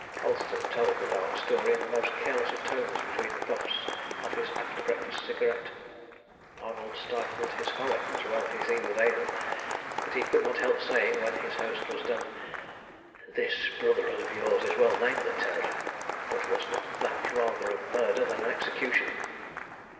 Colston told the dark story in the most careless of tones between the puffs of his after breakfast cigarette. Arnold stifled his horror as well as he was able, but he could not help saying, when his host had done "This Brotherhood of yours is well named the Terror; but was not that rather a murder than an execution?"